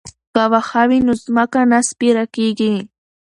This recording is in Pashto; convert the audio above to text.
که واښه وي نو ځمکه نه سپیره کیږي.